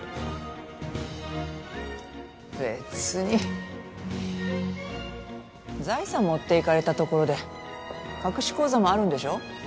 べつに財産持っていかれたところで隠し口座もあるんでしょ？